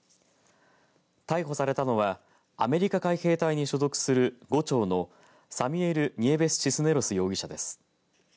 逮捕されたのはアメリカ海兵隊に所属する伍長のサミュエル・ニエベスシスネロス容疑者です。